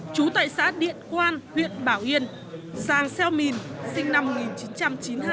trú tại xã điện quan huyện bảo yên sang xeo mìn sinh năm một nghìn chín trăm chín mươi hai